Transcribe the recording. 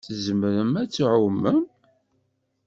Tzemrem ad tɛumem?